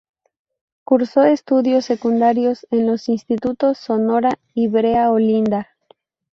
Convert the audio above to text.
Cursó estudios secundarios en los institutos Sonora y Brea Olinda.